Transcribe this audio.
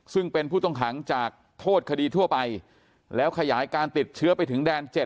ซึ่งเป็นผู้ต้องขังจากโทษคดีทั่วไปแล้วขยายการติดเชื้อไปถึงแดน๗